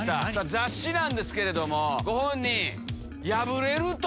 雑誌なんですけれどもご本人。